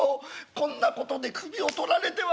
こんなことで首を取られては。